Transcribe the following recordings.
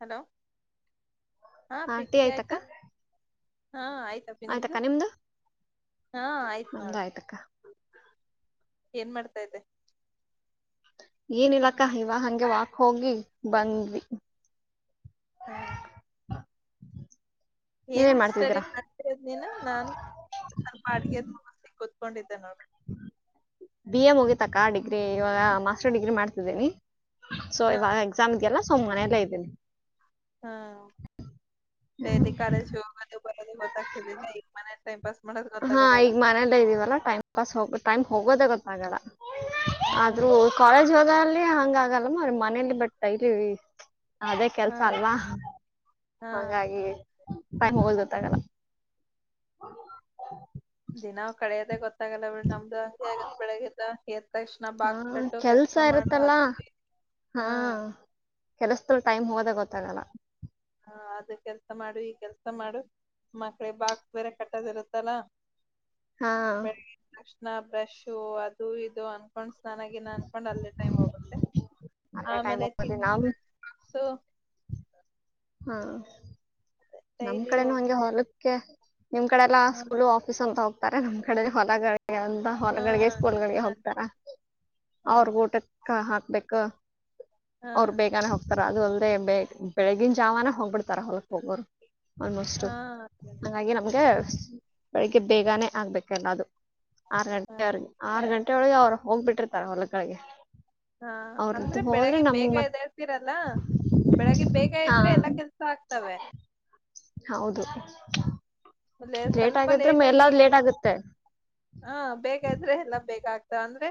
Hello ಹಾ ಟೀ ಪಿಟಿ ಆಯ್ತಕ್ಕ ಆಯ್ತಾ ಹಾ ಆಯ್ತ. ನಿ ಆಯ್ತಕ್ಕ ನಿಮ್ದು ಹಾ ಆಯ್ತ್ು ನಮ್ದು ನೋಡು. ಆಯ್ತಕ್ಕ ಏನ್ ಮಾಡ್ತಾ ಇತೆ. ಏನಿಲ್ಲಕ್ಕ ಇವ ಹಂಗೆ ವಾಕ್ ಹೋಗಿ ಬಂದ್ವಿ. ಹಾ- ಏನ್ ನೀವೇನ್ ಸ್ಟಡಿ ಮಾಡ್ತಿದ್ದೀರಾ ಮಾಡ್ತತಿರಾದ್ ನೀನು ನಾನು [inaudible] ಸ್ವಲ್ಪ ಅಡ್ಗೆದ್ [unintelligible] ಕುತ್ಕೊಂಡಿದೆ ನೋಡ್. [unintelligible] ಬಿ ಎ ಮುಗಿತಕ್ಕ ಡಿಗ್ರಿ ಇವಾಗ ಮಾಸ್ಟರ್ ಡಿಗ್ರಿ ಮಾಡ್ತಿದ್ದೀನಿ ಸೊ ಹಾ ಇವಾಗ. ಸುಮ್ ಇಡಿಯಲ್ಲ ಸೊ ಮನೇಲೆ ಇದಿನಿ. ಹಾ ಬೇದಿ ಕಾಲೇಜು ಹೋಗೋದು ಬರೋದು ಗೊತ್ತಗ್ತಿರ್ಲ್. ಮನೆಲ್ ಟೈಂಪಾಸ್ ಮಾಡದ್. ಹಾ ಈಗ್ ಮನೆಲ್ಲೆ ಇದ್ದೀವಲ್ಲಾ ಟೈಮ್. ಪಾಸ್ ಹೋಗ ಟೈಮ್ ಹೋಗೋದೇ ಗೊತ್ತಾಗಲ್ಲ ಹಾ ಆದ್ರೂ. ಕಾಲೇಜ್ ಹೋಗಾಲ್ಲಿ ಹಂಗ ಆಗಲ್ಲ ಮನೇಲಿ ಬಟ್ ಡೈಲಿ ಅದೇ ಕೆಲ್ಸ ಹಾ ಅಲ್ವಾ. ಹಾ ಅಂಗಾಗಿ ಟೈಮ್ ಹೋಗದ್ ಗೋತ್ತಾಗಲ್ಲ. ದಿನ ಕಳೆಯೋದೇ ಗೊತ್ತ. [unintelligible] ನಮ್ದ್ ಅಂಗೇ ಆಗದ್ ಬೆಳ್ಳಗೆ ಎದಾ ಎದ್ ತಕ್ಷಣ ಹಾ ಬಾಕ್ಸ್ ಕಟ್ಟು ಕೆಲ್ಸ ಕೆಲಸ ಮಾಡು ಇರುತ್ತಲ್ಲ ಅದ ಮಾಡು. ಹಾ- ಕೆಲಸದೊಳ್ ಟೈಮ್ ಹೋಗೋದೆ ಗೊತ್ತಾಗಲ್ಲ. ಹಾ ಅದು ಕೆಲ್ಸ ಮಾಡು ಈ ಕೆಲ್ಸ ಮಾಡು. ಮಕ್ಳಗ್ ಬಾಕ್ಸ್ ಬೇರೆ ಕಟ್ಟದ ಇರುತ್ತಲ್ಲ. ಹಾ [unintelligible] ತಕ್ಷಣ ಬ್ರಷು ಅದು ಇದು ಅನ್ಕೊಂಡ್ ಸ್ನಾನ ಗೀನ ಅನ್ಕೊಂಡ್ ಅಲ್ಲೇ ಟೈಮ್ ಹೋಗುತ್ತೆ. ಅದೇ ಟೈಮ್ ಆಮೇಲೆ ತೀ. ಹೋಗೋದು ನಮ್ [unintelligible] ಹಾ ನಮ್ ಡೈಲಿ ಕಡೆನು ಹೋಗ್ತ ಹಂಗೆ ಹೊಲಕ್ಕೆ ನಿಮ್ ಕಡೆಲ್ಲಾ ಹಾ ಸ್ಕೂಲ್. [unintelligible] ಹೋಗ್ತಾರೆ ನಮ್ಮ್ ಕಡೆ ಹೊಲಗಳಿಗೆ ಎಲ್ಲಾ. ಹಾ ಹೊಲ್ಗಳಿಗ್ಗೆ ಸ್ಕೂಲ್ಗಳಿಗೆ ಹಾ ಹೋಗ್ತಾರ ಅವ್ರು ಊಟಕ್ಕ ಹಾಕ್ಬೇಕು. ಹಾ ಅವ್ರು ಬೇಗಾನಾ ಹೋಗ್ತಾರ ಅದು ಅಲ್ಲದೆೇ ಬೆಳಗಿನ್ ಬೆಳ್ಳಗಿನ ಜಾವಾನ ಹೋಗ್ಬಿಡ್ತಾರ ಹೊಲಕ್ ಹೋಗೋರು. ಆಲ್ಮೋಸ್ಟ್ ಹಾ ಹಂಗಾಗಿ ನಮ್ಗೆ ಬೆಳಿಗ್ಗೆ ಬೇಗಾನೆ ಆಗ್ಬೇಕೆಲ್ಲಾದು. ಆರ್ ಹಾ ಗಂಟೆ ಆರ್ ಆರ್ಗಂಟೆ ಒಳಗೆ ಅವ್ರು ಹೋಗ್ಬಿಟ್ಟಿರ್ತಾರೆ ಹೊಲಗಳಿಗೆ. ಹಾ ಅವ್ರದ್ದು ಅಂದ್ರೆ ಹೋದ್ರೆ ಬೆಳಗ್ಗೆ ನಮ್ಗ್ ಬೇಗ ಮತ್ ಎದಳ್ತಿರಲ್ಲ ಬೆಳಗ್ಗೆ ಬೇಗ ಹಾ ಇದ್ರೆ ಎಲ್ಲಾ ಕೆಲ್ಸ. ಆಕ್ತವೇ. ಹೌದು. ವಲೆ ಲೇಟ್ ಸ್ವಲ್ಪ ಆಗಿದ್ರೆ ಲೇಟಗಿ. ಎಲ್ಲಾದ್ ಲೇಟ್ ಆಗುತ್ತೆ ಹಾ ಬೇಗೆದ್ರೆ ಎಲ್ಲ ಬೇಗ ಆಗ್ತಾವ ಅಂದ್ರೆ.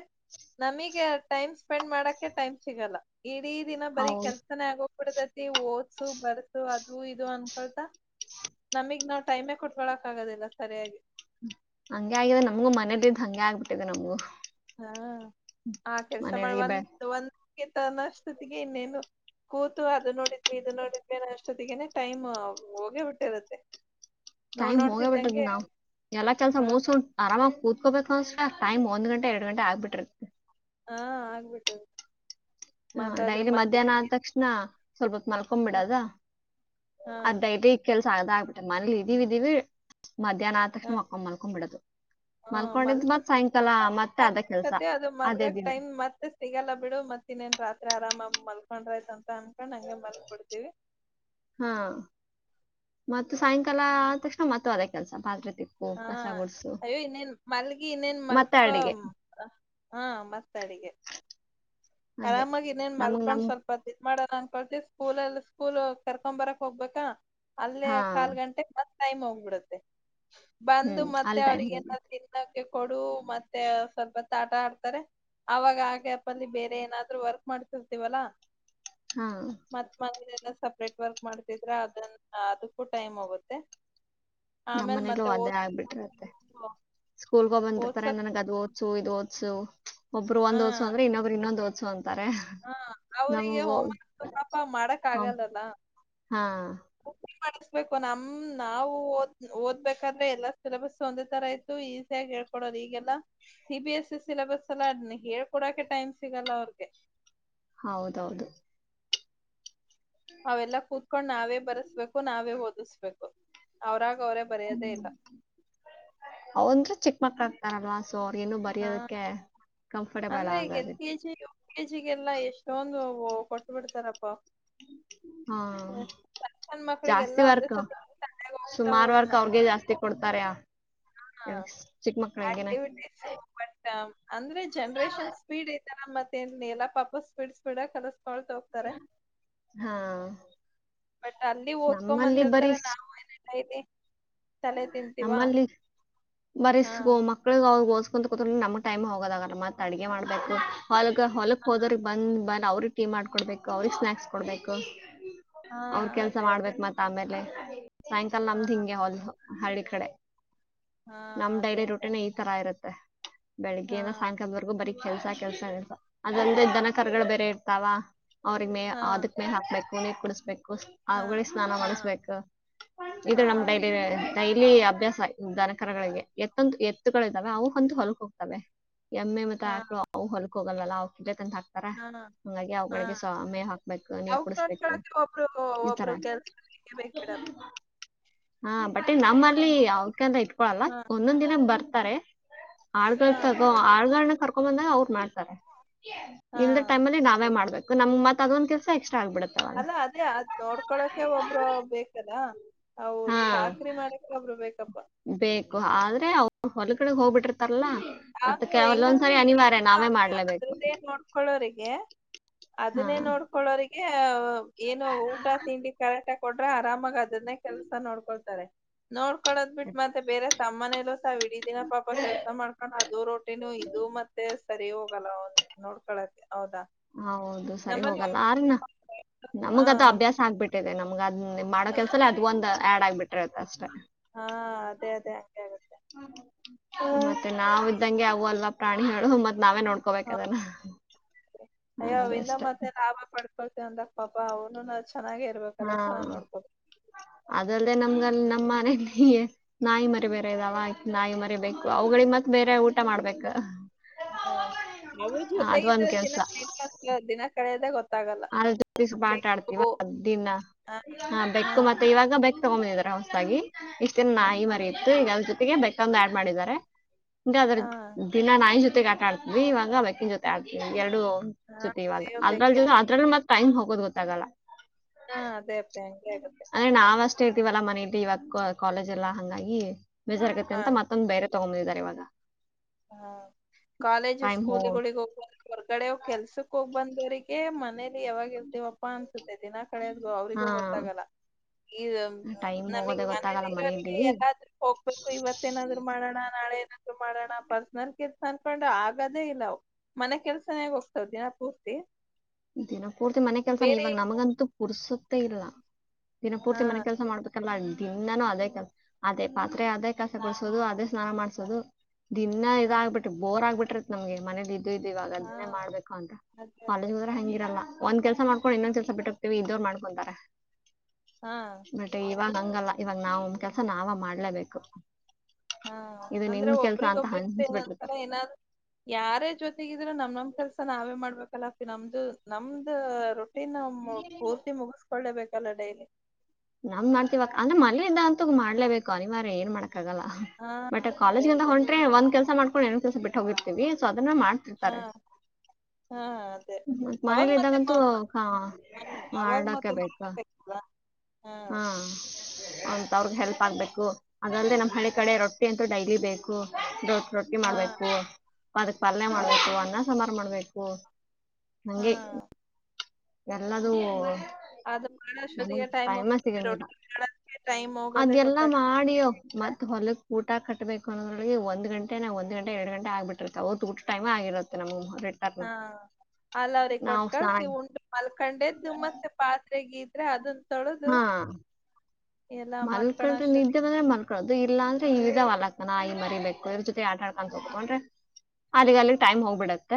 ನಮಿಗೆ ಟೈಮ್ ಸ್ಪೆಂಡ್ ಮಾಡಕೆ ಟೈಮ್ ಸಿಗಲ್ಲ ಇಡೀ ದಿನ ಬರೀ ಹೌದು ಕೆಲ್ಸನೇ ಆಗೋ. ಬುಡತೈತಿ ಓದ್ಸು ಬರ್ಸು ಅದ ಇದು ಅನ್ಕೊಳ್ತಾ ನಮಿಗ್ ನಾವ್ ಟೈಮೇ ಕೊಡ್. ಕೊಳಕ್ ಆಗೋದಿಲ್ಲ ಸರಿಯಾಗಿ. ಹಂಗೆ ಆಗ್ಯಾವೆ ನಮಗ ಮನೆ ಬಿದ್ ಹಂಗೆ ಆಗ್ಬಿಟ್ಟಿದೆ ನಮಗೂ. ಹಾ ಆ ಕೆಲ್ಸ ಮಾಡ ಮನೇಲಿ ಬೆ ಒಂದ ಒಂದಗೆ ತನ್ನಷ್ಟ್ತತಿಗೆ ಇನ್ನೇನು. ಕೂತು ಅದು ನೋಡಿದ್ವಿ ಇದು ನೋಡಿದ್ವಿ ಅನ್ನೊಷ್ಟೊತ್ತಿಗೆನೆ ಟೈಮ್ ಹೋಗೇ ಬಿಟ್ಟಿರುತ್ತೆ. ನೋಡ್ ಟೈಮ್ ಹೋಗ ಬಿಟದ್ ನೋಡ್ತಿದ್ದಂಗೆ ನಾವ್ ಎಲ್ಲಾ ಕೆಲ್ಸ ಹಾ ಮೋಸ್. ಆರಾಮಾಗಿ ಕೂತ್ಕೋಬೇಕು ಅನ್ಸ್ ಟೈಮ್ ಒಂದ್ ಗಂಟ ಎರಡು ಗಂಟೆ ಆಗ್ಬಿಟರ್ತ. ಹಾ ಆಗ್ಬಿಟ್ಟದ್. ಹ ಡೈಲಿ ಮಧ್ಯಾಹ್ನ ಆದ್ ತಕ್ಷ್ಣ ಸ್ವಲ್ಪ್ ಹೊತ್ ಹಾ ಮಲ್ಕೊಮ್ಬಿಡದ ಹಾ ಅದ್ ಡೈಲಿ. ಕೆಲ್ಸ ಆಗದಾ ಆಗ್ಬಿಟ್ಟೆ ಮನೇಲಿ ಇದೀವಿ ಇದೀವಿ ಮಧ್ಯಾಹ್ನ ಆದ್ ತಕ್ಷ್ಣ ಮಕ್ಕೊ ಮಲ್ಕೊಂಬಿಡದ್ ಬಿಡೋದು. ಹ ಮಲ್ಕಾ ಮತ್ತೆ ಅದೇ [unintelligible] ಕೆಲ್ಸ [unintelligible] ಅದು ಅದೇ ಮಲ್ಗಕ್ ದಿನ ಟೈಮ್ ಮತ್. [unintelligible] ಸಿಗಲ್ಲ ಬಿಡು ಮತ್ ಇನ್ನೇನ್ ರಾತ್ರಿ ಆರಾಮಾ ಮಲ್ಕೊಂಡ್ರಾಯ್ತ ಆಯ್ತ್ ಅಂತ ಅನ್ಕೊಂಡ್ ಮಲ್ಗ್ ಬಿಡ್ತಿವಿ. ಹಾ ಮತ್ ಸಾಯಂಕಾಲ ಅದ್ ತಕ್ಷಣ ಮತ್ತ ಅದ ಕೆಲ್ಸ ಪಾತ್ರೆ. [unintelligible] ಹಾ ಗುಡ್ಸು ಅಯ್ಯೋ ಇನ್ನೇನ್ ಮಲ್ಗಿ ಇನ್ನೇನ್ ಮತ್ತೆ ಮಲ್ಕೊ. ಅಡಿಗೆ ಹಾ ಮತ್ತ ಅಡಿಗೆ. ಹಂಗೆ ಆರಾಮಾಗಿ ಇನ್ನೇನ್ ನಮಗ್ ಮಲ್ಕೊಂಡ್ ನಮ್ ಸ್ವಲ್. ತ್ತು ಇದು ಮಾಡ್ಬೇಕು ಅನ್ಕೊತವಿ ಸ್ಕೂಲ್ ಎಲ್ಲ ಸ್ಕೂಲ್ ಕರ್ಕೊಮ್ ಬರಕ್ ಹೋಗ್ಬೇಕಾ. ಅಲ್ಲೇ ಹಾ ಕಾಲ್ ಗಂಟೆಗ್ ಮತ್ ಟೈಮ್ ಹೋಗ್ಬಿಡುತ್ತೆ ಬಂದು ಹ್ಮ್ ಮತ್ತೆ ಅಲ್ಲಿ ಟೈಮ್ ಅವ್ರಿಗೆ ಏನ ಹೋಗುತ್ತೆ ತಿನ್. ತಿನ್ನಕ್ಕೆ ಕೊಡು ಮತ್ತೆ ಸ್ವಲ್ಪೊತ್ ಆಟ ಆಡ್ತಾರೆ ಅವಾಗ ಆ ಗ್ಯಾಪಲ್ಲಿ ಬೇರೆ ಏನ್. ಏನಾದ್ರೂ ವರ್ಕ್ ಮಾಡ್ತಿರ್ತೀವಲ್ಲಾ. ಹಾ. ಮತ್ ಮನಲ್ಲ ಸಪ್ರೇಟ್ ವರ್ಕ್ ಮಾಡ್ತಿದ್ರಾ ಅದನ್ನ ಅದಕ್ಕೂ ಟೈಮ್ ಹೋಗುತ್ತೆ. ನಮ್ಮ್ ಆಮೇಲ್ ಮತ್ತೆ ಓದ್. [unintelligible] ಸ್ಕೂಲ್ಗೋ ಹೋಗಿ ಬಂದಿರ್ತಾರೆ ನನಗೆ ಅದ್ ಓದ್ಸು ಇದು ಓದ್ಸು. ಒಬ್ರು ಹ ಒಂದೊದ್ಸು ಅಂದ್ರೆ ಇನ್ನೊಬ್ರು ಇನ್ನೊಂದ್ ಓದ್ಸು ಅಂತಾರೆ. ಹ ಅವ್ರಿಗೆ ನಮ್ಗೊ ಹೋಮ್ವರ್ಕ್ ಪಾಪ ಮಾಡಕ್ ಹ ಆಗಲ್ಲಲ್ಲ ಹಾ. ಮಾಡ್ಸಬೇಕು ನಮ್ ನಾವು ಓದ್ ಓದ್ಬೇಕಾದ್ರೆ ಎಲ್ಲಾ ಸಿಲೆಬಸ್ ಒಂದೆ ತರ ಇತ್ತು ಈಸಿ ಆಗ್ ಹೇಳ್. ಕೊಡೊದ್ ಈಗೆಲ್ಲಾ C B S C syllabus ಎಲ್ಲ ಅನ ಹೇಳ್ಕೊಡಕೆ ಟೈಮ್ ಸಿಗಲ್ಲ ಅವ್ರ್ಗೆ ಹೌದ ಹೌದು. ಅವೆಲ್ಲ ಕೂತ್ಕೊಂಡ್ ನಾವೇ ಬರಸ್ಬೇಕು ನಾವೇ ಓದುಸ್ಬೇಕು ಅವ್ರಾಗ ಅವರೇ. ಹ್ಮ ಅವಂದ ಚಿಕ್ಕ ಮಕ್ಳಾಗ್ತಾರಲ್ವಾ ಸೋ ಇನ್ನು ಬರೆಯೋದಕ್ಕೆ ಹಾ ಕಂಫರ್ಟಬಲ್ ಅಂದ್ರೆ ಈಗ ಎಲ್ ಆಗಾದ ಕೆ ಕೆ ಜಿಗೆಲ್ಲಾ ಎಷ್ಟೊಂದು ಕೊಟ್ಟ ಬಿಡ್ತಾರಪ್ಪಾ. ಹಾ ಸಣ್ ಸಣ್ ಜಾಸ್ತಿ ಮಕ್ಕ್ಳಿಗೆಲ್ಲಾ ಒಂದೇ ವರ್ಕ್ ಸತಿ. ತಲೆಗ್ ಹೋಗ್ತಾವೋ ಸುಮಾರ್ ವರ್ಕ್ ಏನೋ ಅವ್ರ್ಗೆ ಜಾಸ್ತಿ ಕೊಡ್ತಾರೆ ಚಿಕ್ಕ ಮಕ್ಳಿಗೆನೆ. ಶ [inaudible] ಅಂದ್ರೆ ಜನ್ರೇಷನ್ ಸ್ಪೀಡ್ ಇತಾರ ಮತ್ತೆನ್ ನೇಲಾಪಾಪ ಸ್ಪೀಡ್ ಸ್ಪೀಡಾಗ್ ಕಲಸ್ಕೊಳ್ತೊ. ತರೆ ಹಾ ಬಟ್ ಅಲ್ಲಿ ನಮ್ಮಲ್ಲಿ ಬರೀ ಓದ್ಕೊಂಬಂದಿರ್ತಾರೆ ನಾವು [unintelligible] ಏನಲ್ಲ ಇಲ್ಲಿ ಚಲ ನಮ್ಮಲ್ಲಿ ಬರಿಸ್ ಓ ಮ ಮಕ್ಳಿಗ್ ಅವ್ಗ್ ಓದ್ಸ್ಕೊಂತಾ ಕುಂತ್ರ ನಮ್ಗ್ ಟೈಮ್ ಹೋಗಾದಾಗಲ್ಲ ಮತ್ ಅಡ್ಗೆ ಮಾಡ್ಬೇಕು. ಹೊಲ್ಗ ಹೊಲಕ್ ಹಾ ಹೋದ್ರ ಬಂದ್ ಬಂದ ಅವ್ರಿಗೆ ಟೀ ಮಾಡ್ಕೊಡ್ಬೇಕ ಅವ್ರಿಗ್ ಸ್ನಾಕ್ಸ್ ಕೊಡ್ಬೇಕ. ಹಾ ಅವ್ರ ಕೆಲ್ಸ ಅದೇ ಅದೇ ಮಾಡ್ಬೇಕ್ ಮತ್ ಆಮ್ಯಾಲಿ ಸಾಯಂಕಾಲ ಹಾ ನಮ್ದ್ ಹಿಂಗೆ ಹೊಲ್ ಹಳ್ಳಿ ಕಡೆ. ಹಾ ನಮ್ ಅದೇ ಡೈಲಿ ಅದೇ ರುಟೀನೆ ಈ ತರ ಇರುತ್ತೆ ಹಾ ಬೆಳಿಗ್ಗೆಯಿಂದ ಸಾಯಂಕಾಲದ್ವರ್ಗೂ ಬರಿ ಕೆಲ್ಸ ಕೆಲ್ಸ ಅದಂದೆ ದನ ಕರ್ಗಳು ಬೇರೆ ಇರ್ತಾವ ಅವ್ರಿಗ್ ಮೇ ಹಾ ಅದಕ್. ಮೆ ಹಾಕ್ಬೇಕು ನೀರು ಕುಡಸಬೇಕು. ಹಾ ಅವಳೇ ಸ್ನಾನ ಹಾ ಮಾಡಿಸ್ಬೇಕ ಇದು ಹಾ ನಮ್ ಡೈಲಿ. ಡೈಲಿ ಅಭ್ಯಾಸ ದನಕರಗಳಿಗೆ. ಎತ್ತಂತ ಎತ್ತುಗಳಿದ್ದಾವೆ ಅವು ಅಂತೂ ಹೊಲ್ಕ್ ಹೋಗತಾವೇ. ಎಮ್ಮೆ ಮತ್ತ ಹಾ ಆಕಳ ಅವು ಒಲಕ್ಕ್ ಹೋಗಲಲ್ಲ ಆವ್ಕ್ ತಂದ್ ಆಕ್ತಿನಿ. ತರ ಹಾ ಹಾ ಹಂಗಾಗಿ ಹಾ ಅವುಗಳಿಗೆ ಸ ಮೇವ ಹಾಕ್ಬೇಕ ನೀರ್ ಅವಕ್ ಕುಡಸ್ಬೇಕು ನೋಡ್ಕೊಳಕ್ಕೆ ಒಬ್ರು ಈತರ. ಒಬ್ರು [inaudible] ಕೆಲ್ಸಕ್ಕೆ ಬೇಕ್ ಬಿಡಪ್ಪ ಹಾ ಬಟ್ ನಮ್ಮಲ್ಲಿ ಯಾಕ ಅಂತ ಇಟ್ಕೊಳಲ್ಲ ಹಾ ಒಂದೊಂದ್ ದಿನ ಬರ್ತಾರೆ. ಆಳಗಳ ಹಾ ತಗೋ ಆಳಗಳನ್ ಕರ್ಕೊ ಬಂದಾಗ ಅವ್ರ ಮಾಡ್ತಾರೆ. ಹಾ ಇಲ್ದ ಟೈಮಲ್ಲಿ ನಾವ ಅದೇ ಮಾಡಬೇಕ ನಮ್ತ್ ಅದೊಂದ ಕೆಲಸ ಎಕ್ಸ್ಟ್ರ ಆಗ್ಬಿಡತ್ತ. ಅಲ್ಲ ಅದೇ ಅದ್ ನೋಡ್ಕೊಳಕೆ ಒಬ್ರು ಬೇಕಲ್ ಅವ್ರ ಹಾ ಚಾಕ್ರರಿ ಮಾಡಕ್. ಕ್ಯಾಮೆರಾ ಬೇಕಪ್ಪಾ. ಬೇಕು ಆದ್ರೆ ಅವ ಹೊಲಗಡೆ ಹೋಗ್ಬಿಟ್ಟಿರ್ತಾರಲ್ಲ. ಮತ್ತೆ ಆದ್ರೂ ಹೆಂಗಂದ್ರೆ ಕೆಲವೊಂದ್ಸರಿ ಇಡೀ ಅನಿವಾರ್ಯ ದಿನ ನಾವೇ ಅವ್ರಿಗೆ ಮಾಡ್ಲೇಬೇಕು ಅದ್ರದ್ದೇ ನೋಡ್. ಕಳೋರಿಗೆ ಹಾ ಅದನ್ನೇ ನೋಡ್ಕೊಳ್ಳೋರಿಗೆ ಏನು ಊಟ ತಿಂಡಿ. ಕರೆಕ್ಟಾಗ್ ಕೊಡ್ರೆ ಆರಾಮಾಗ್ ಅದನ್ನೇ ಕೆಲ್ಸ ನೋಡ್ಕೊಳ್ತಾರೆ ನೋಡ್ಕೊಳದ್ ಬಿಟ್ ಮತ್ತೆ ಬೇರೆ. ತಮ್ಮನೇಲೂ ತಾವ್ ಇಡೀದಿನ ಪಾಪ ಕೆಲ್ಸ ಮಾಡ್ಕೊಂಡ್ ಅದು ರೋಟಿನೂ ಇದು ಮತ್ತೆ. ಸರಿ ಹೋಗಲ್ಲಾ ಅವ್ರ್ ನೋಡ್ಕೊಳಕ್ಕೆ ಹೌದಾ. ಹೌದು ಸರಿ ನಮ್ಮಲ್ಲಿ ಹೋಗಲ್ಲ ಆರನ ಹಾ ನಮಗದ್ ನಮ್ಮ ಅಭ್ಯಾಸ ಆಗ್ಬಿಟ್. ಷ್ಟೆನ್ ನಮ್ಗ ಅದ್ ಮಾಡೋ ಹಾ ಕೆಲ್ಸ್ದ್ಲ್ಅದು ಒಂದು ಆ್ಯಡ್ ಆಗ್ಬಿಟ್ಟಿರುತ್ತೆ ಅಷ್ಟೇ. ಹಾ ಅದೇ ಅದೇ ಹಾಗೆ ಹಾಗತ್ ಮತ್ತೆ ನಾವ ಇದ್ದಂಗೆ ಅವು ಅಲ್ವಾಪ್ರಾಣಿಗಳು ಮತ್ತ್ ಹಾ ನಾವೇನೋಡ್ಕೋಬೆಕದನ್ನಾ. ಅಯ್ಯೋ ವಿಂದ ಮತ್ತೆ ಲಾಭ ಪಡ್ಕೊಳ್ತೇವ ಅಂದಕ್ ಪಾಪ ಅವನುನು ಚೆನ್ನಾಗೇ ಇರ್ಬೇಕ್. ಹ್ಮಾ ಅದಲ್ದೆ ನಮ್ಗಲ್ ನಮ್ಮ ಮನಲಿ ನಾಯಿ ಮರಿ ಬೇರೆ ಇದಾವ ನಾಯಿ ಮ. ಬೇಕೆ ಬೇಕು ಅವುಗಳಿಗೆ ಮತ್ ಬೇರೆ ಊಟ ಮಾಡ್ಬೇಕ. ಹಾ ನಾವ ಅದು ಒಂದ್ ಜೊತೆಗಿದ್ರೆ ದಿನ ಕೆಲ್ಸ ಟೈಮ್ ಪಾಸ್ ಆಗಿ ದಿನ ಕಳೆದಗೊತ್ತ. ಅದರ ಜೋತೆ ಸ್ವಲ್ಪ ಆಟಾ ಆಡ್ತಿವಾ ದಿನ ಹಾ ಹ ಹಾ ಬೆಕ್ಕು ಮತ್ತೆ ಇವಾಗ ಬೆಕ್ಕ್. ತಗೊ ಬಂದಿದ್ದಾರೆ ಹೊಸದಾಗಿ ಇಸ್ಟ್ ದಿನ ಹಾ ನಾಯಿ ಮರಿ ಇತ್ತು ಈಗ ಅದ್ರ ಜೊತೆಗೆ ಬೆಕ್ಕೊಂದ ಯಾಡ್ ಮಾಡಿದ್ದಾರೆ ಹಿಂಗ ಅದ್ರ ಹಾ ದಿನ ನಾಯಿ ಜೊತೆಗೆ ಆಟಾ ಆಡ್ತಿದ್ವಿ ಇವಾಗ ಬೆಕ್ಕಿನ ಜೊತೆ ಆಡ್ತೀವಿ ಎರಡು ಹಾ ಅನಸ್ತು ಇವಾಗ ಅಯ್ಯೋ ಅದ್ರಲ್ ಜೊ ಬೆಕ್ಕಿನ ಅದ್ರಲ್ಲಿ ಮತ್ ಟೈಮ್ ಹೋಗೋದು ಗೊತ್ತಾಗಲ್ಲ ಹಾ ಅದೇ ಅಪ್ಪಿ ಅಂಗೇ ಅದ ಅಂದ್ರೆ ನಾವ್ ಅಷ್ಟೇ ಇರ್ತಿವಲ್ಲಾ ಮನೆಲಿ ಇವಾಗ ಕಾಲೇಜ್ ಎಲ್ಲಾ ಹಂಗಾಗಿ ಬೇಜಾರ್ಗತ್ತೆ ಹಾ ಅಂತ ಮತ್ತೊಂದ್ ಬೇರೆ [unintelligible] ತಗೊಂಡ್ಬಂದಿದ್ದಾರೆ ಇವಾಗ ಹಾ ಕಾಲೇಜು, ಟೈಮ್ ಹೋ ಸ್ಕೂಲ್ಗಳಿಗ ಹೋಗವಾಗ ಹೊರ್ಗಡೆ ಕೆಲ್ಸಕ್ಕ ಹೋಗ್ ಬಂದವರಿಗೆ ಮನೇಲಿ ಯಾವಾಗ ಇರ್ತವಪ್ಪಾ ಅನ್ಸುತ್ತೆ ದಿನಾ ಕಳೆದ್ಗು ಹಾ ಅವ್ರರಿಗೂ ಗೊತ್ತಾಗಲ್ಲ ಇದು ಟೈಮ್ ನಮಗ್ ಹೋಗೋದೇ ಮನೇಲಿ ಗೊತ್ತಾಗಲ್ಲ ಇರೋರಿಗೆ ಮನೇಲಿ ಎಲ್ಲಾದ್ರೂ ಹೋಗ್ಬೇಕು ಇವತ್ತು ಮತ್ತ ಏನಾದ್ರು ಮಾಡೋಣ ನಾಳೆ ಏನಾದ್ರು ಮಾಡೋಣ ಪರ್ಸನಲ್ ಕೆಲ್ಸ ಅನ್ಕೊಂಡ್ ಆಗದೇ ಇಲ್ಲ ಅವು ಮನೆ ಕೆಲ್ಸನೇ ಹೋಗ್ತಾವ ದಿನ ಪೂರ್ತಿ ದಿನಪೂರ್ತಿ ಮನೆ ಕೆಲ್ಸಾನೇ ಬೇರೆ ಇವಾಗ ಏನು ನಮಗಂತೂ ಪುರ್ಸುತ್ತೆ ಇಲ್ಲ ದಿನಪೂರ್ತಿ ಹಾ ಮನೆ ಕೆಲ್ಸ ಮಾಡ್ಬೇಕ್ [inaudible] ದಿನ್ನಾನು ಅದೇ ಕೆಲಸ ಅದೇ ಪಾತ್ರೆ, ಅದೇ ಕಸಗು ಡಸೋದು ಅದೇ ಸ್ನಾನ ಮಾಡ್ಸೋದು ದಿನ್ನ ಹಾ ಇದಾಗಗ್ಬಿಟ ಬೋರ್ ಆಗ್ಬಿಟ್ರಿತೆ ನಮ್ಗೆ ಈ ಮನೆಲಿ ಅದು ಇದು ಇವಾಗ ಹಾ ಅದನ್ನೇ ಮಾಡ್ಬೇಕು ಅಂತ ಅದೇ ಅದೇ ಕಾಲೇಜ್ ಹೋದ್ರ ಹಂಗೆ ಹಂಗಿರಲ ಒಂದ್ ಕೆಲ್ಸ ಮಾಡಕೊಂಡು ಇನ್ನೊಂದ ಕೆಲ್ಸ ಬಿಟ್ಟೋಗ್ತೀವಿ ಇದ್ದೋರು ಮಾಡ್ಕೊಂತಾರೆ ಹಾ ಬಟ್ ಇವಾಗ ಅಂಗಲ್ಲ ಇವಾಗ ನಾವ್ ಕೆಲ್ಸ ನಾವ ಮಾಡ್ಲೇಬೇಕು ಹಾ ಇದು ನಿಮ್ ಅಂದ್ರೆ ಕೆಲ್ಸ ಒಬ್ರಿಗ್ ಅಂತ ಒಬ್ರ ಹಂಚ್ಬಿಟ್ಟಿರ್ತಾರ [inaudible] ಏನಾದ್ರು ಯಾರೇ ಜೊತೆಗಿದ್ರರು ನಮ್ ನಮ್ ಕೆಲ್ಸ ನಾವೇ ಮಾಡ್ಬೇಕಲ್ಲ ಅಪಿ ನಮ್ದು ನಮ್ದ ರೊಟ್ಟಿ ಪೂರ್ತಿ ಮುಗಿಸ್ಕೊಳ್ಳೇಬೇಕಲ್ಲ ಡೈಲಿ ನಮ್ದ್ ಮಾಡ್ತಿವ ಅಕ್ಕಾ ಅಂದ್ರ ಮನೆಂದ ಅಂತೂ ಮಾಡ್ಲೇಬೇಕು ಅನಿವಾರ್ಯ ಏನು ಮಾಡಕ್ ಆಗಲ್ಲ ಹಾ ಬಟ್ ಅದೇ ಕಾಲೇಜಗಿಂತ ಅದೇ ಹೊಂಟ್ರೆ ಒಂದ್ ಕೆಲ್ಸ ಮಾಡಕೊಂಡು ಇನ್ನೊಂದ್ ಕೆಲ್ಸ ಬಿಟ್ಟ ಹೋಗಿರ್ತಿವಿ ಸೊ ಅದನ್ನ ಹಾ ಮಾಡ್ ಹಾ ಅದೇ [unintelligible] ಮತ್ ಅವಾಗ ಮನೇಲಿ ಮತ್ತೆ ಇದ್ದಾಗಂತೂ ಮ- ಹಾ ಮಾಡಕ ಬೇಕಾ ಹ ಹಾ ಅಂತ ಅವ್ರಗ್ ಹೆಲ್ಪ್ ಆಗ್ಬೇಕು ಹಾಂಗದ್ರೆ ನಮ್ ಹಳ್ಳಿ ಹಾ ಕಡೆ ರೊಟ್ಟಿ ಅಂತೂ ಡೈಲಿ ಬೇಕು ರೋಟ್ ರೊಟ್ಟಿ ಹಾ ಮಾಡ್ಬೇಕು ಅದಕ್ ಪಲ್ಯ ಹಾ ಮಾಡ್ಬೇಕು ಅನ್ನ ಸಾಂಬಾರ್ ಮಾಡ್ಬೇಕು ಹಾ ಎಲ್ಲದೂ ಅದೇ ಅದ್ ನಮ್ಗ ಮಾಡಷ್ಟೊತ್ತಿಗೆ ಟೈಂ ಹೋಗ್ತೇತಿ ಸಿಗಂಗಿಲ್ಲ ರೊಟ್ಟಿ ಮಾಡಕ್ಕೆ ಅದ ಹೋಗೋದೇ ಎಲ್ಲಾ ಗೊತ್ತಾಗಲ್ಲ ಮಾಡಿಯೋ ಮತ್ ಹೊಲಕ್ ಊಟ ಕಟ್ಟಬೇಕು ಅನ್ನೋರಳ ಒಂದು ಗಂಟೆ ನಾ ಒಂದ್ ಗಂಟರ ಎರಡ್ ಗಂಟೆ ಆಗ್ಬಿಟ್ಟಿರ್ತೆ ಅವ ಊಟ ಟೈಮ್ ಆಗಿರತ್ತೆ [unintelligible] ಹಾ ಅಲ್ಲ ಅವ್ರಿಗೆ ಕೊಟ್ ನಾವ್ ಕಳ್ಸ ನೀ ಸ್ನಾನ ಉಂಡು ಮಲ್ಕೊಂಡೇದ್ದು ಮತ್ತೆ ಪಾತ್ರೆಗೀ ಇದ್ರೆ ಅದನ್ ತೊಳ್ದು ಹಾ ಎಲ್ಲಾ ಮಲ್ಕಣ ಮಲ್ಕಟ್ರೆ ಅಷ್ಟೊತ್ತಿಗೆ ನಿದ್ದೆ ಅಂದ್ರೆ ಮಲ್ ಅದು ಇಲ್ಲಾಂದ್ರೆ ಈದವಲಕ್ಕ ನಾಯಿ ಮರಿಬೆಕ್ಕು ಇದ್ರ ಜೊತೆ ಆಟ ಆಡ್ಕೊಂಡ ಕೂತಗೊಂಡ್ರೆ ಅಲ್ಲಿಗ್ ಅಲ್ಲಿಗ್ ಟೈಮ್ ಹೋಗ್ಬಿಡತ್ತ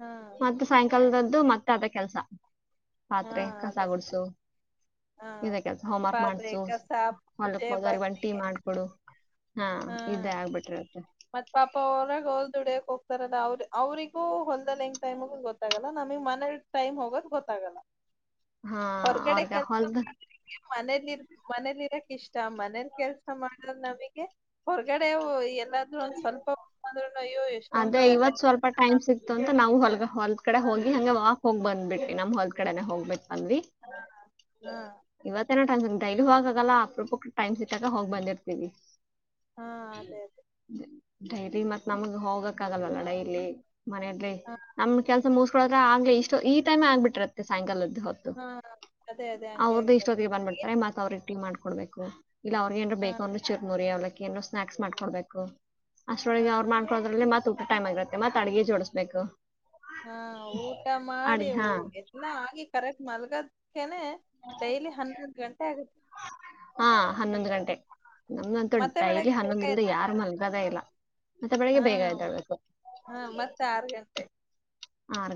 ಹಾ ಮತ್ತ ಸಾಯಂಕಾಲದದ್ದು ಮತ್ತೆ ಅದ ಕೆಲ್ಸ ಹಾ ಪಾತ್ರೆ ಕಸ ಅದೇ ಗುಡ್ಸು ಹಾ ಇದ ಕೆಲ್ಸ ಹೋಮ್ ವರ್ಕ್ ಪಾತ್ರೆ ಮಾಡ್ಸು ಕಸ ಹೊಲಕ್ ಪೂಜೆ ಹೋದವ್ರಿಗೆ ಒನ ಬಟ್ಟಿ ಟಿ ಮಾಡಕೊಡು ಹಾ ಇದೇ ಆಗ್ಬಿಟ್ರತ್ತೆ ಮತ್ ಪಾಪ ಹೊರಗ ಅವ್ರ ದುಡಿಯಕ್ ಹೋಗ್ತಾರಲ ಅವ್ರ ಅವ್ರಿಗೂ ಹೊಲ್ದದಲ್ಲಿ ಹೆಂಗ್ ಟೈಮ ಹೋಗುತ್ತ ಗೊತ್ತಾಗಲ್ಲ ನಮಗ್ ಮನೆಲಿ ಟೈಮ್ ಹೋಗೋದ ಗೊತ್ತಾಗಲ್ಲ [inaudible] ಹೊರಗಡೆ ಅವ್ರಗ ಕೆಲಸ ಹೊಲ್ದ [inaudible] ಮನೇಲಿರ್ ಮನೇಲಿ ಇರಕ್ ಇಷ್ಟ ಮನೇಲಿ ಕೆಲ್ಸ ಮಾಡರ್ ನಮಗೆ ಹೊರಗಡೆವು ಎಲ್ಲಾದ್ರೂ ಒಂದ್ ಸ್ವಲ್ಪ ಹೂಗ್ಬದ್ರುನು ಅಯ್ಯೋ ಎಷ್ಟೊಂದ್ ಅದೇ ಇವತ್ ಟೈಮ್ ಸ್ವಲ್ಪ ಟೈಮ್ ಸಿಕ್ತು ಅಂತ ನಾವು ಹೊಲ್ಗ ಹೊಲ್ ಕಡೆ ಹೋಗಿ ಹಂಗ ಹೋಗ್ ಬಂದ್ಬಿಟ್ರಿ ನಮ್ ಹೊಲ್ ಕಡೆನೆ ಹೋಗ್ಬ ಬಂದ್ವಿ. ಹಾ ಇವತ್ತೇ ಏನೋ ಟ್ಯಾನ್ ಡೈಲಿ ಹೋಗಾಗಲ್ಲ ಅಪರೂಪಕ ಟೈಮ್ ಸಿಗ್ಗಾದಾಗ ಹೋಗಿ ಬಂದಿರ್ತೀವಿ. ಹಾ ಅದೇ ಅದೇ. ಡೈಲಿ ಮತ್ತ್ ನಮ್ಗೆ ಹೋಗಕ್ ಆಗಲ್ವಲ್ಲ ಡೈಲಿ ಮನಲಿ ಹಾ ನಮ್ ಕೆಲ್ಸ ಮುಸ್ಕೋಳ್ಗಗ್ ಇಷ್ಟ ಈಟೈಮ ಆಗ್ಬಿಟ್ಟಿರುತ್ತೆ ಸಾಯಂಕಾಲದ ಹೊ ಹಾ ಅದೇ ಅದೇ ಹಂಗೆ ಅವ್ರ್ದು ಆಗತ್ತಲ್ಲ ಇಷ್ಟೊತ್ತಿಗೆ ಬಂದ್ಬಿಡ್ತಾರೆ ಮತ್ ಅವ್ರ ಟೀ ಮಾಡ್ಕೊಡ್ಬೇಕು ಇಲ್ಲ ಅವ್ರಗ ಏನ್ರು ಹಾ ಬೇಕ್ರ ಚಿರ್ಮುರಿ ಅವ್ಲಕ್ಕಿ ನೋ ಸ್ನಾಕ್ಸ್ ಮಾಡ್ಕೊಡ್ಬೇಕು. ಹಾ ಅಷ್ಟ್ರೊಳಗೆ ಅವ್ರ್ ಹಾ ಮಾಡಕೊದ್ರಲ್ಲಿ ಮತ್ತ್ ಊಟ ಟೈಮ್ ಆಗಿರತ್ತೆ ಮತ್ ಅಡ್ಗೆ ಜೋಡಿಸ್ಬೇಕು. ಹಾ ಊಟ ಮಾಡಿ ಅಡ್ಗೆ ಹಾ ಎತ್ನ ಆಗಿ ಕರೆಕ್ಟ್ ಮಲ್ಗದ್ ಕನೆ ಡೈಲಿ ಹನ್ನೊಂದು ಗಂಟೆ ಆಗುತ್ತೆ. ಹಾ ಹನ್ನೊಂದು ಗಂಟೆ ನಮ್ದಂತೂ ಮತ್ತೆ ಡೈಲಿ ಬೆಳಗ್ಗೆ ಬೇಗ ಹನ್ನೊಂದು ಇಲ್ದ ಎದ್ದೆ ಯಾರು ಮಲ್ಗದೇ ಇಲ್ಲ. ಮತ್ತೆ ಬೆಳಗ್ಗೆ ಹಾ ಬೇಗ ಎದಳ್ಬೇಕು. ಹಾ ಮತ್ತೆ ಆರ್ ಗಂಟೆ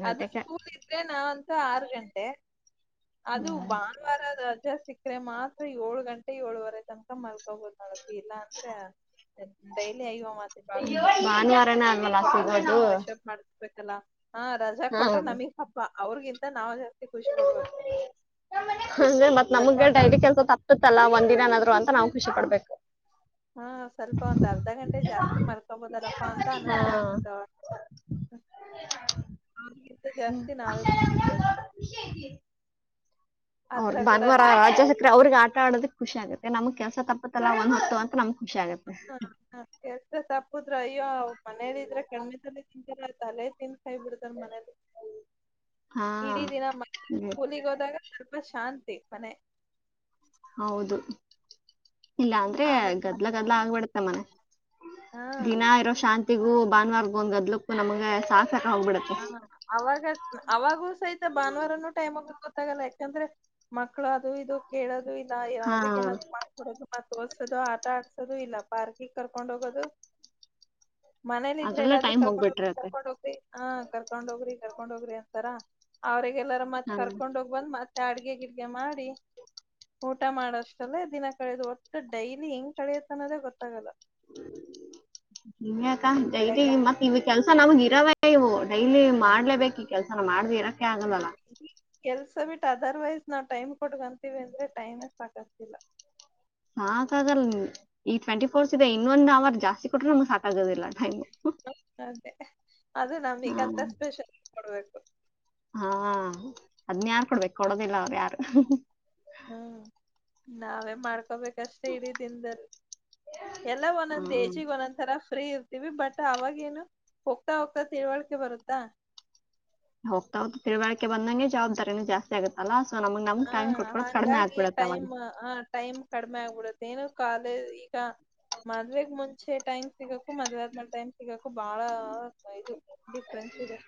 ಅದು ಸ್ಕೂಲ್ ಇದ್ರೆ ನಾನಾಂತೂ ಆರು ಗಂಟೆ. ಅದು ಹ್ಮ್ ಭಾನುವಾರ ರಜಾ ಸಿಕ್ಕ್ರೆ ಮಾತ್ರ ಏಳು ಗಂಟೆ ಏಳುವರೆ ತನಕ ಮಲ್ಕೊ ಬೋದು ನಾನು. ಇಲ್ಲಾ ಅಂದ್ರ ಡೈಲಿ ಅಯ್ಯೋ ಮಾತ್ತ ಬಾ ಭಾನುವಾರನ ಅಲ್ವಲ್ಲ ಕಲ್ಪಕಲ್ಲ ಸಿಗೋದು ಪ್ರೆಶಪ್ ಮಾಡ್ ಹಬೇಕಲ್ಲ ಹಾ ರಜಾ ಕೊಟ್ರೆ ಹಾ ನಮಗ್ ಹಬ್ಬ ಅವ್ರಿಗಿಂತ ನಾವು ಜಾಸ್ತಿ ಖುಷಿ ಪಡಡ್ಬೇಕು. ಅಂದ್ರೆ ಮತ್ ನಮಗ್ಗೆ ಒಂದ್ ಅರ್ಧ ಡೈರಿ ಕೆಲ್ಸ ತಪ್ಪ ಕೊಟ್ರಲ್ಲ ಒಂದಿನ ನಾದ್ರು ಅಂತ ನಾವು ಖುಷಿ ಪಡ್ಬೇಕು. ಹಾ ಸ್ವಲ್ಪ ಒಂದ್ ಅರ್ಧ ಗಂಟೆ ಜಾಸ್ತಿ ಮಲ್ಕೊಬೊದಲ್ಲಪ್ಪಾ ಅಂತ ಹಾ ಅನಿಸ್ತಾ ಇರ್ತದ ಅವ ಹ ಹಾಗೆ. [unintelligible] [inaudible] ಅವ್ರ ಅದ್ರಾಗೂ ಭಾನುವಾರ ರಜಾ ಇದ್ರೆ ರಾಜ ಸಿಕ್ರೆ ಅವ್ರಿಗೆ ಆಟ ಆಡೋದಕ್ಖುಷಿಗತ್ತೆ ನಮ್ಗ್ ಕೆಲಸ ತಪ್ಪತ್ತಲ್ಲಾ ಒಂದ್ ಹತ್ತು ಅಂತ ನಮ್ ಹ ಕೆಲ್ಸ ತಪ್ಪುದ್ರ ಅಯ್ಯೋ ಮನೇಲಿ ಇದ್ರೆ ಕಮ್ಮಿ ತಲೆ ತಿಂತಾರ ಆ ತಲೆ ನಿಂತ್ ಕಾಯ್ ಬಿಡ್ತಾನ ಮನೇಲಿ ಹಾ ಇಡೀ ದಿನ ಮ ಹ್ಮ್. ಕೂಲಿಗ್ ಹೋದಾಗ ಸ್ವಲ್ಪ ಶಾಂತಿ ಮನೆ. ಹೌದು ಇಲ್ಲ ಅಂದ್ರೆ ಆಮೇಲೆ ಗದ್ಲ ಮತ್ತೆ ಗದ್ಲ ಆಗ್ಬಿಡತ್ತೆ ಮನೆ. ಹಾ ದಿನ ಇರೋ ಶಾಂತಿಗೂ ಭಾನುವಾರಗು ಒಂದ್ ಗದ್ಲಕ್ಕು ನಮ್ಗ ಸಾಕ್ ಸಾಕ್ ಹೋಗ್ಬಿಡೆ ಹಾ ಅವಾಗ ಅವಾಗೂ ಸಹಿತ ಭಾನುವಾರ ನ ಟೈಮ ಗೊತ್ತಾಗಲ್ಲ ಯಾಕಂದ್ರೆ ಮಕ್ಳು ಅದು ಇದು ಕೇಳೋದು ಇ ಹಾ ಅವ್ರಗ ಏನಾದ್ ಕೊಡದು ಮತ್ತ ಓದಸೋದು ಆಟ ಆಡ್ಸೋದು ಇಲ್ಲ ಪಾರ್ಕಗ್ ಕರ್ಕೊಂಡ್ ಹೋಗೋದು. ಮನೇಲಿ ಇದ್ರೆ ಅದ್ರಲ್ಲೇ ಎಲ್ಲಾದ್ರೂ ಟೈಮ್ ಕರ್ಕೊಂಡ್ೋಗಿ ಹೋಗ್ಬಿಟ್ಟಿರತ್ತೆ ಕರ್ಕೊಂಡ್ ಹೋಗ್ರಿ ಹಾ ಕರ್ಕೊಂಡ್ ಹೋಗ್ರಿ ಕರ್ಕೊಂಡ್ ಹೋಗ್ರಿ ಅಂತಾರ ಅವ್ರಗೆ ಎಲ್ಲಾರ ಮತ್ ಹಾ ಕರ್ಕೊಂಡ್ ಹೋಗ್ರಿ ಬಂದ್ ಮತ್ತೆ ಅಡ್ಗೆ ಗಿಡ್ಗೆ ಮಾಡಿ ಊಟ ಮಾಡಷ್ಟಲ್ಲ ದಿನ ಕಳಿಯೋದು ಒಟ್ಟು ಡೈಲಿ ಹೆಂಗ್ ಕಳಿಯುತ್ತ ಅನ್ನೋದೇ ಗೊತ್ತಾಗಲ್ಲ. ಇ ಚದೆ ಬೆಳಗ್ಗೆ ಆಗಿ ಮತ್ತ [unintelligible] ಕೆಲ್ಸ ನಮಗ್ ಇರವೇ ಇವು ಡೈಲಿ ಮಾಡ್ಲೇಬೇಕು ಈ ಕೆಲ್ಸ ಮಾಡ್ದ ಇರಕ್ಕೆ ಹಾ, ಆಗದಲ್ಲ. ಈ ಕೆಲ್ಸ ಬಿಟ್ ಅದರ್ವೈಸ್ ನಾವ್ ಟೈಮ್ ಕೊಡ್ಂತೀವಿ ಅಂದ್ರೆ ಟೈಮ್ ಸಾಕತಿಲ್ಲ. ಸಾಕಾಗಲ್ಲ ಈ ಟ್ವೆಂಟಿ ಫೋರ್ಸ್ ಇದೆ ಇನ್ನೊಂದ್ ಅವರ್ ಜಾಸ್ತಿ ಕೊಟ್ರೆ ನಮ್ಗೆ ಸಾಕಾಗೋದಿಲ್ಲ ಟೈಮ್. ಹ ಅದೇ ಅದು ಹ ನಮೀಗಂತ ಸ್ಪೆಷಲ್ ಕೊಡ್ಬೇಕು. ಹಾ ಅದ್ನ್ ಯಾರ್ ಕೊಡ್ಬೇಕ್ ಕೊಡೋದಿಲ್ಲ ಅವ್ರು ಯಾರು. ಹ್ಮ್ ನಾವೇ ಮಾಡ್ಕೋಬೇಕು. ಕಷ್ಟ ಇಡೀ ದಿನ್ದದಲ್ಲಿ ಎಲ್ಲ ಒಂದೊಂದ್ ಹ್ಮ್ ಏಜಿಗೆ ಒಂದೊಂದ್ ತರ ಫ್ರೀ ಇರ್ತೀವಿ ಬಟ್ ಅವಾಗ ಏನು ಹೋಗ್ತಾ ಹೋಗ್ತಾ ತಿಳಿವಳಿಕೆ ಬರುತ್ತಾ. ಹೋಗ್ತಾ ಹೋಗ್ತಾ ತಿಳಿಕೆ ಬಂದಂಗೆ ಜವಾಬ್ದಾರೀನು ಜಾಸ್ [unintelligible] ಆಗತ್ತಲ್ಲಾ ಸೋ ನಮಗ್ ನಮ್ ಟೈಮ್ ಕೊಟ್ಕೊಳ್ಳೋದು ಕಡಿಮೆ ಆಗ್ಬಿಡುತ್ತೆ ಅವಾಗ. ಹ ಟೈಮ್ ಕಡಿಮೆ ಆಗ್ಬಿಡುತ್ತೆ ಏನು ಕಾಲೇ ಈಗ ಮದ್ವೆಗ್ ಮುಂ [unintelligible] ಚೆ ಟೈಮ್ ಸಿಗಕು ಮದ್ವೇ ಆದ್ಮೇಲೆ ಟೈಮ್ ಸಿಗಕು ಬಹಳ ಇದು ಡಿಫ್ರೆನ್ಸ್ ಇದೆ.